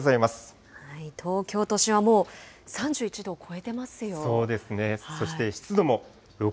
東京都心はもう、３１度を超そうですね。